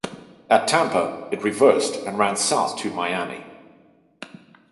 At Tampa, it reversed and ran south to Miami.